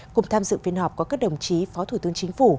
cùng tham dự phiên họp có các đồng chí phó thủ tướng chính phủ